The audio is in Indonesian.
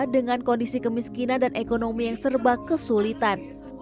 dengan kondisi kemiskinan dan ekonomi yang serba kesulitan